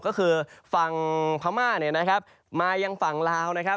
ก็คือฝั่งพม่ามายังฝั่งลาว